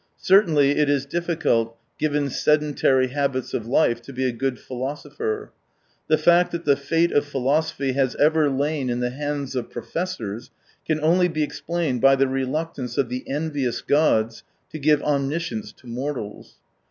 Certainly it is difficult, given sedentary habits of life, to be a good philo sopher. The fact that the fate of philosophy has ever lain in the hands of professors can only be explained by the reluctance of the envious gods to give omniscience to mortals.